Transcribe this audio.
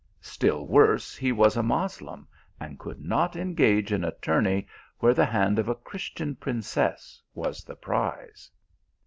Still worse, he was a Moslem, and could not engage in a tourney where the hand of a Christian princess was the prize.